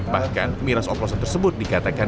bahkan miras oplosan tersebut dikatakan